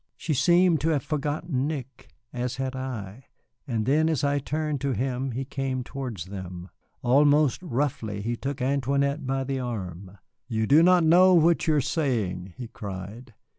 She seemed to have forgotten Nick, as had I, and then as I turned to him he came towards them. Almost roughly he took Antoinette by the arm. "You do not know what you are saying," he cried.